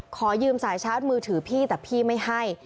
ขอยืมสายชาร์จมือถือพี่แต่พี่ไม่ให้